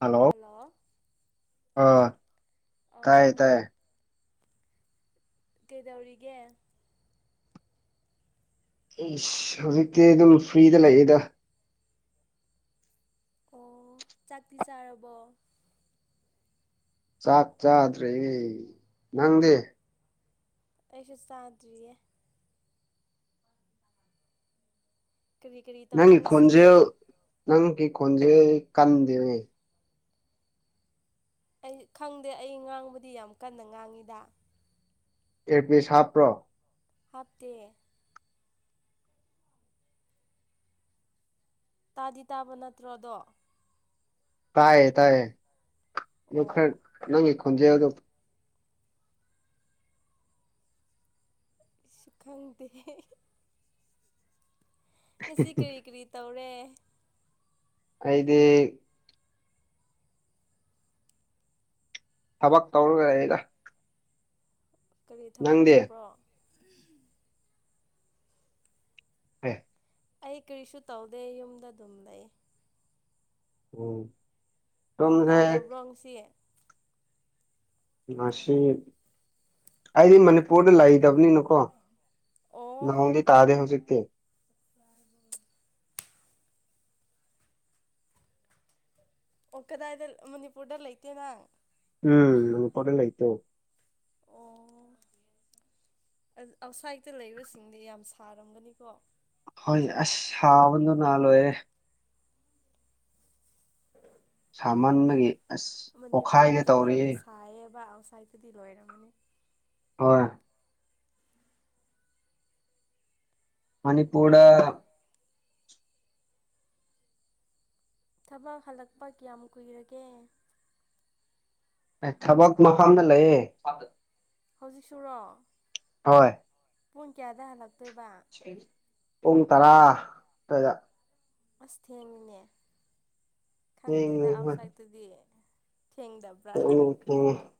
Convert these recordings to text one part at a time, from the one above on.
Hello ꯑ ꯇꯥꯏ ꯑꯣ ꯇꯥꯏ ꯀ‌ꯦꯗꯧꯔꯤꯒꯦ ꯏꯁ ꯍꯧꯖꯤꯛꯇꯤ ꯑꯗꯨꯝ ꯐ꯭ꯔꯤꯗ ꯂꯩꯌꯦꯗꯥ ꯑꯣ ꯆꯥꯛꯇꯤ ꯆꯥꯔꯕꯣ ꯆꯥꯛ ꯆꯥꯗ꯭ꯔꯤ ꯅꯪꯗꯤ ꯑꯩꯁꯨ ꯆꯥꯗ꯭ꯔꯤꯌꯦ꯫ ꯀꯔꯤ ꯀꯔꯤ ꯇꯧꯔꯦ ꯉꯁꯤꯗꯤ ꯅꯪꯀꯤ ꯈꯣꯟꯖꯦꯜ ꯀꯟꯗꯦ꯫ ꯑꯩ ꯈꯪꯗꯦ ꯑꯩ ꯉꯥꯡꯕꯗꯤ ꯌꯥꯝ ꯀꯟꯅ ꯉꯥꯡꯉꯤꯗꯥ ꯏꯌꯔꯄꯤꯁ ꯍꯥꯞꯄ꯭ꯔꯣ ꯍꯥꯞꯇꯦ ꯇꯥꯗꯤ ꯇꯥꯕ ꯅꯠꯇ꯭ꯔꯣꯗꯣ ꯇꯥꯏꯌꯦ ꯇꯥꯏꯌꯦ ꯈꯔ ꯑꯣ ꯅꯪꯒꯤ ꯈꯣꯟꯖꯦꯜꯗꯨ ꯏꯁꯨ ꯈꯪꯗꯦꯍ‌ꯦ ꯉꯁꯤ ꯀꯔꯤ ꯀꯔꯤ ꯇꯧꯔꯦ ꯑꯩꯗꯤ ꯊꯕꯛ ꯇꯧꯔꯒ ꯂꯩꯗꯥ ꯀꯔꯤ ꯊꯕꯛ ꯅꯪꯗꯤ ꯇꯧꯕ꯭ꯔꯣ [unintelligible] ꯑꯩ ꯀꯔꯤꯁꯨ ꯇꯧꯗꯦ ꯌꯨꯝꯗ ꯗꯨꯝ ꯂꯩ ꯑꯣ ꯅꯣꯡ ꯇꯥꯗꯕ꯭ꯔꯣ ꯉꯁꯤ ꯃꯥꯁꯤ ꯑꯩꯗꯤ ꯃꯅꯤꯄꯨꯔꯗ ꯂꯩ ꯗꯅꯤꯅꯀꯣ ꯅ‌ꯣꯡꯗꯤ ꯇꯥꯗꯦ ꯍꯧꯖꯤꯛꯇꯤ [unintelligible] ꯑꯣ ꯀꯗꯥꯏꯗ ꯑ ꯃꯅꯤꯄꯨꯔꯗ ꯂꯩꯇꯦ ꯅꯪ ꯎꯝ ꯃꯅꯤꯄꯨꯔꯗ ꯂꯩꯇꯣ ꯑꯣ ꯑꯥ ꯑꯥꯎꯠꯁꯥꯏꯠꯇ ꯂꯩꯕꯁꯤꯡꯗꯤ ꯌꯥꯝ ꯁꯥꯔꯝꯒꯅꯤꯀꯣ ꯍꯣꯏ ꯑꯁ ꯁꯥꯃꯟꯗꯨꯅ ꯂꯣꯏꯔꯦ ꯁꯥꯃꯟꯕꯒꯤ ꯑꯁ ꯄꯣꯛꯈꯥꯏꯒꯦ ꯃꯅꯤꯄꯨꯔꯗꯁꯨ ꯇꯧꯔꯤ ꯌꯥꯝ ꯁꯥꯏꯌꯦꯕꯥ ꯑꯥꯎꯠꯁꯥꯏꯠꯇꯗꯤ ꯂꯣꯏꯔꯝꯃꯅꯤ ꯍꯣꯏ ꯑꯣ ꯃꯅꯤꯄꯨꯔꯗꯥ ꯍꯣ ꯊꯕꯛ ꯍꯜꯂꯛꯄ ꯀꯌꯥꯝ ꯀꯨꯏꯔꯒꯦ ꯑꯦ ꯊꯕꯛ ꯃꯐꯝꯗ ꯂꯩꯌꯦ ꯍꯧꯖꯤꯛ ꯁꯨꯔꯣ ꯍꯣꯏ ꯄꯨꯡ ꯀꯌꯥꯗ ꯍꯜꯂꯛꯇꯣꯏꯕꯥ [unintelligible] ꯄꯨꯡ ꯇꯥꯔꯥ ꯗꯥꯏꯗ ꯑꯁ ꯊꯦꯡꯉꯤꯅꯦ ꯊꯦꯡꯉꯦ ꯈꯪꯗꯦꯗꯥ ꯍꯣꯏ ꯑꯥꯎꯠꯁꯥꯏꯠꯇꯗꯤ ꯊꯦꯡꯗ [unintelligible]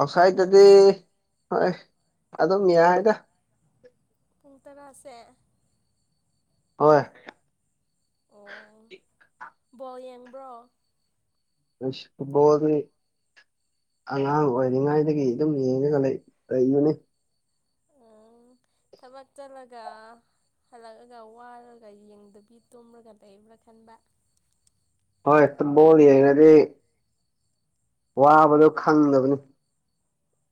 ꯑꯥꯎꯠꯁꯥꯏꯠꯇꯗꯤ ꯎꯝ ꯍꯣꯏ ꯑꯗꯨꯝ ꯌꯥꯗ꯫ ꯄꯨꯡ ꯇꯔꯥꯥꯁꯦ꯫ ꯍꯣꯏ ꯑꯣ ꯕꯣꯜ ꯌꯦꯡꯕ꯭ꯔꯣ? ꯕꯣꯜꯗꯤ, ꯑꯉꯥꯡ ꯑꯣꯏꯔꯤꯉꯥꯏꯗꯒꯤ ꯑꯗꯨꯝ ꯌꯦꯡꯉꯒ ꯂꯩꯕꯅꯦ꯫ ꯎꯝ ꯊꯕꯛ ꯆꯠꯂꯒ, ꯍꯜꯂꯛꯑꯒ ꯋꯥꯔꯒ ꯌꯦꯡꯗꯕꯤ ꯇꯨꯝꯔꯒ ꯂꯩꯕ꯭ꯔꯥ ꯈꯟꯕ꯫ ꯍꯣꯏ ꯕꯣꯜ ꯌꯦꯡꯔꯗꯤ, ꯋꯥꯕꯗꯣ ꯈꯪꯗꯕꯅꯤ꯫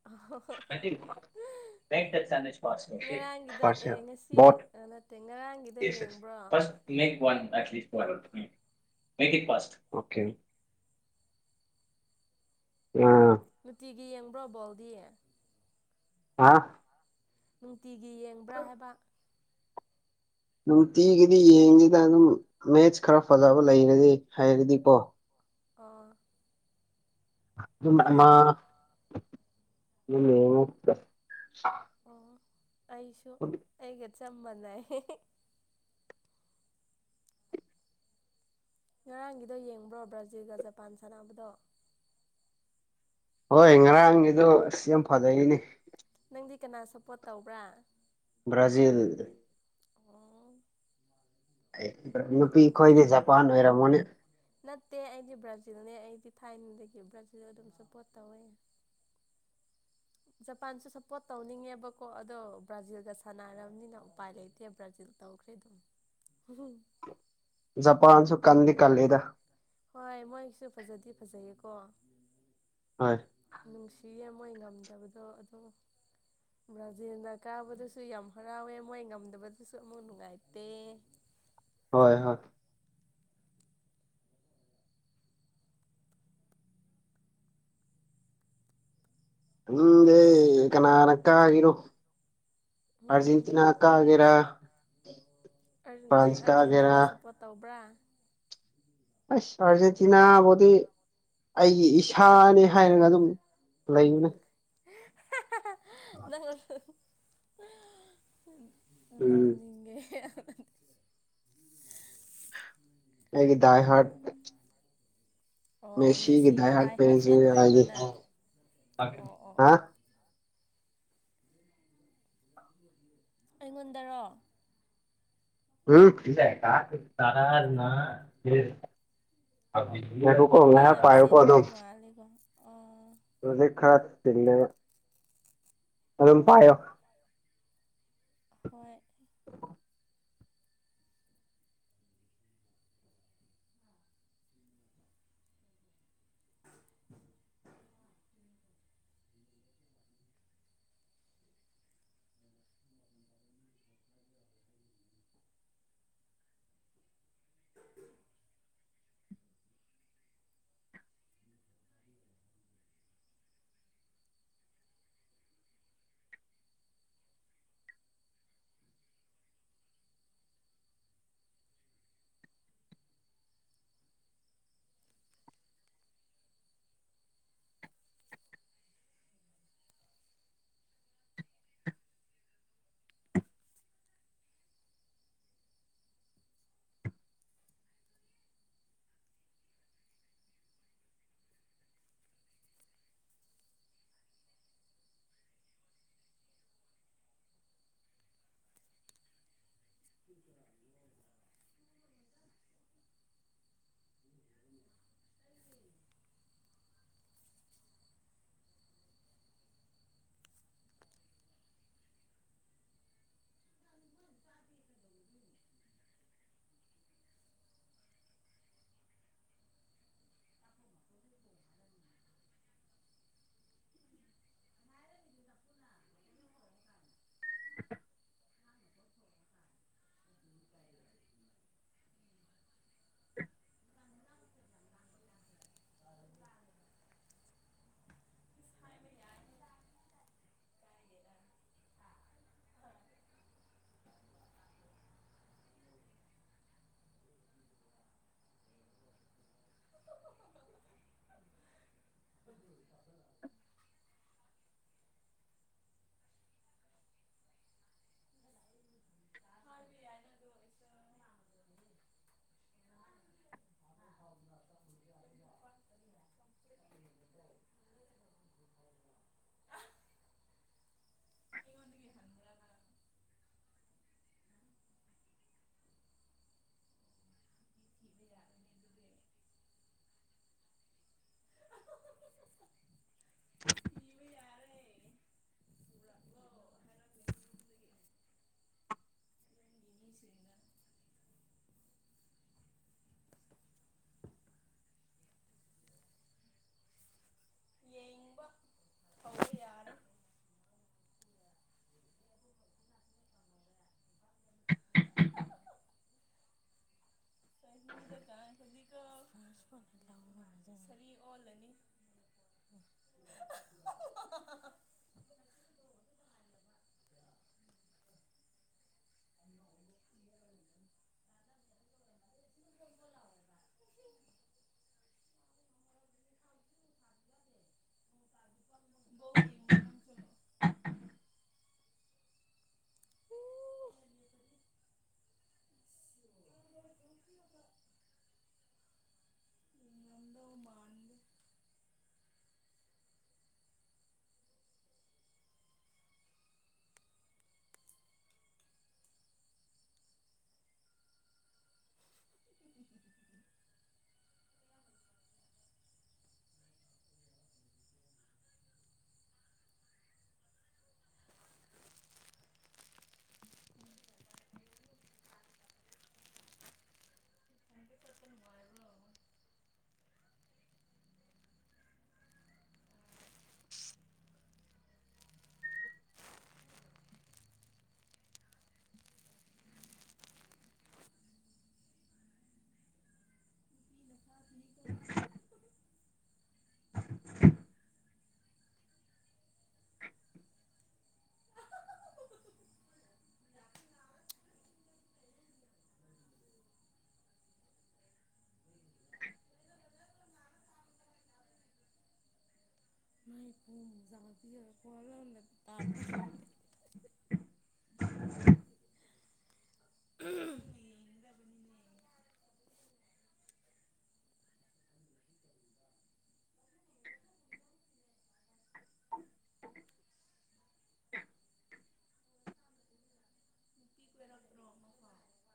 [unintelligible] ꯉꯔꯥꯡꯒꯤꯗꯣ ꯑꯦ ꯄꯥꯔꯁꯦꯜ ꯉꯁꯤ ꯕꯣꯠ ꯅꯠꯇꯦ ꯉꯔꯥꯡꯒꯤꯗꯣ ꯌꯦꯡꯕ꯭ꯔꯣ? [unintelligible] [unintelligible] ꯅꯨꯡꯇꯤꯒꯤ ꯌꯦꯡꯕ꯭ꯔꯣ ꯕꯣꯜꯗꯤ? ꯍꯥ ꯅꯨꯡꯇꯤꯒꯤ ꯌꯦꯡꯕ꯭ꯔꯥ ꯍꯥꯏꯕ? ꯅꯨꯡꯇꯤꯒꯤꯗꯤ ꯌꯦꯡꯗꯦꯗ ꯑꯗꯨꯝ ꯃꯦꯠꯁ ꯈꯔ ꯐꯖꯕ ꯂꯩꯔꯗꯤ ꯍꯩꯔꯗꯤꯀꯣ꯫ ꯑꯣ ꯑꯩꯁꯨ [unintelligible] ꯑꯣ ꯑꯩꯁꯨ ꯑꯩꯒ ꯆꯞ ꯃꯅꯩ꯫ ꯉꯔꯥꯡꯒꯤꯗꯣ ꯌꯦꯡꯕ꯭ꯔꯣ ꯕ꯭ꯔꯥꯖꯤꯜꯒ ꯖꯄꯥꯟ ꯁꯥꯟꯅꯕꯗꯣ? ꯍꯣꯏ ꯉꯔꯥꯡꯒꯤꯗꯣ ꯑꯁ ꯌꯥꯝ ꯐꯖꯩꯩꯅꯦ꯫ ꯅꯪꯗꯤ ꯀꯅꯥ ꯁꯞꯄꯣꯔꯠ ꯇꯧꯕ꯭ꯔꯥ? ꯕ꯭ꯔꯥꯖꯤꯜ꯫ ꯑꯣ ꯅꯨꯄꯤ ꯈꯣꯏꯗꯤ ꯕ꯭ꯔꯥꯖꯤꯜ ꯖꯄꯥꯟ ꯑꯣꯏꯔꯝꯒꯅꯤ꯫ ꯅꯠꯇꯦ ꯑꯩꯗꯤ ꯕ꯭ꯔꯥꯖꯤꯜꯅꯦ ꯑꯩꯗꯤ ꯊꯥꯏꯅꯗꯒꯤ ꯕ꯭ꯔꯥꯖꯤꯜꯗ ꯑꯗꯨꯝ ꯁꯞꯄꯣꯔꯠ ꯇꯧꯋꯦ꯫ ꯖꯄꯥꯟꯁꯨ ꯁꯞꯄꯣꯔꯠ ꯇꯧꯅꯤꯡꯉꯦꯕꯀꯣ ꯑꯗꯣ, ꯕ꯭ꯔꯥꯖꯤꯜꯒ ꯁꯥꯟꯅꯔꯕꯅꯤꯅ ꯎꯄꯥꯏ ꯂꯩꯇꯦ ꯕ꯭ꯔꯥꯖꯤꯜ, ꯇꯧꯈ꯭ꯔꯦ ꯗꯨꯝ꯫ ꯖꯄꯥꯟꯁꯨ ꯀꯟꯗꯤ ꯀꯜꯂꯦꯗ꯫ ꯍꯣꯏ ꯃꯣꯏꯁꯨ ꯐꯖꯗꯤ ꯐꯖꯩꯌꯦꯀꯣ꯫ ꯍꯣꯏ ꯅꯨꯡꯁꯤꯌꯦ ꯃꯣꯏ ꯉꯝꯗꯕꯗꯣ ꯑꯗꯨꯗꯣ, ꯕ꯭ꯔꯥꯖꯤꯜꯅ ꯀꯥꯕꯗꯁꯨ ꯌꯥꯝ ꯍꯔꯥꯎꯋꯦ꯫ ꯃꯣꯏ ꯉꯝꯗꯕꯗꯁꯨ ꯑꯃꯨꯛ ꯅꯨꯡꯉꯥꯏꯇꯦ꯫ ꯍꯣꯏ ꯍꯣꯏ ꯈꯪꯗꯦ ꯀꯅꯥꯅ ꯀꯥꯒꯤꯔꯣ ꯎꯝ ꯎꯝ ꯑꯥꯔꯖꯦꯟꯇꯤꯅꯥ ꯀꯥꯒꯦꯔꯥ ꯅꯪ ꯐ꯭ꯔꯥꯟꯁ ꯀꯥꯒꯦꯔꯥ ꯑꯥꯔꯖꯦꯟꯇꯤꯅꯥ ꯁꯞꯄꯣꯔꯠ ꯇꯧꯕ꯭ꯔꯥ? ꯑꯁ ꯑꯥꯔꯖꯦꯟꯇꯤꯅꯥꯕꯨꯗꯤ ꯑꯩꯒꯤ ꯏꯁꯥꯅꯤ ꯍꯥꯏꯔꯒ ꯑꯗꯨꯝ ꯂꯩꯕꯅꯦ꯫ [unintelligible] ꯎꯝ ꯅꯣꯛꯅꯤꯡꯉꯦ꯫ ꯑꯩꯒꯤ ꯗꯥꯏ ꯍꯥꯔꯠ꯫ ꯑꯣ ꯃꯦꯁꯤꯒꯤ ꯗꯥꯏ ꯍꯥꯔꯠ ꯐꯦꯟ ꯑꯣꯏꯕ꯭ꯔꯥ ꯅꯪ ꯑꯣ ꯑꯣ ꯑꯣ ꯑꯩꯉꯣꯟꯗꯔꯣ? [unintelligible] ꯉꯥꯏꯈꯣꯀꯣ ꯊꯕꯛ ꯉꯥꯏꯍꯥꯛ ꯌꯥꯝ ꯄꯥꯏꯌꯣꯀꯣ ꯑꯗꯨꯝ [unintelligible] ꯑꯣ ꯍꯧꯖꯤꯛ ꯈꯔ ꯆꯤꯜꯂꯦꯕ ꯑꯗꯨꯝ ꯄꯥꯏꯌꯣ ꯑꯣ ꯍꯣꯏ [inaudible] [inaudible] [inaudible] [inaudible] [inaudible] [inaudible] [inaudible] [inaudible] [inaudible] ꯍꯥꯏꯕ ꯌꯥꯏ ꯅꯪꯗꯣ [inaudible] [unintelligible] [unintelligible] ꯏꯕꯌꯔꯦ [unintelligible] ꯌꯦꯡꯕ ꯐꯧꯕ ꯌꯥꯔꯦ [unintelligible] ꯁꯔꯤ ꯑꯣꯜꯂꯅꯤ ꯎꯝ [unintelligible] [inaudible] ꯕꯣꯜ ꯌꯦꯡꯕ꯭ꯔ ꯅꯪꯁꯨ [unintelligible] ꯆꯠꯄ ꯅꯨꯡꯉꯥꯏꯕ꯭ꯔꯣ ꯋꯈꯤ ꯅꯤꯀꯣ [inaudible] [unintelligible] [inaudible] ꯑꯝ [unintelligible]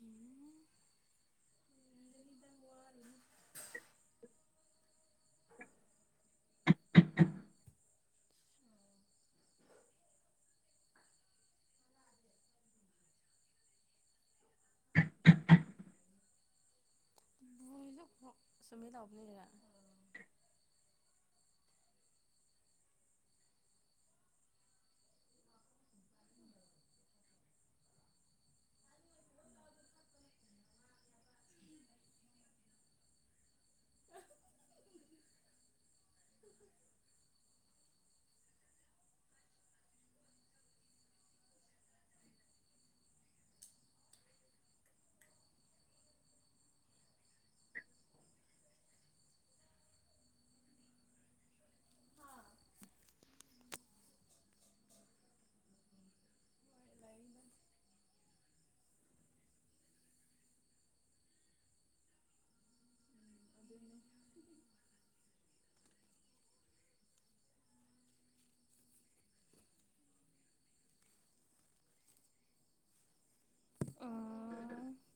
ꯎꯝ [unintelligible] [unintelligible] [inaudible] ꯂꯩꯕꯟ ꯑꯗꯨꯒꯤ ꯅꯨꯡ ꯑ [unintelligible]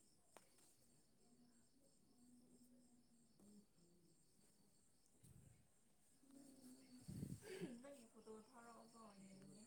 ꯅꯪꯒꯤ ꯐꯣꯇꯣ ꯊꯔꯛꯑꯣꯀꯣ ꯌꯦꯡꯒꯦ